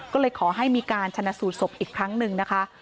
ก็เลยขอให้มีการชนะสูตรศพอีกครั้งหนึ่งนะคะ